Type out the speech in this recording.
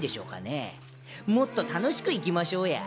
もっと楽しくいきましょうや。